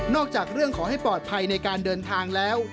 จากเรื่องขอให้ปลอดภัยในการเดินทางแล้ว